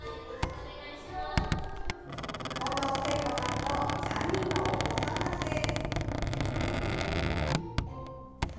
近藤晴子さんと３人のお子さんです。